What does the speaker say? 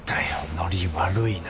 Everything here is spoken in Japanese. ノリ悪いな。